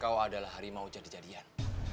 kau adalah harimau jadi jadian